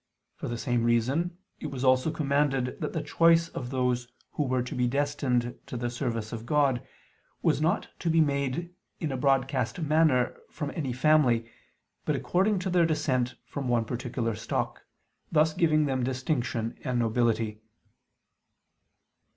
For the same reason it was also commanded that the choice of those who were to be destined to the service of God was not to be made in a broadcast manner from any family, but according to their descent from one particular stock, thus giving them distinction and nobility.